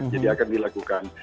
jadi akan dilakukan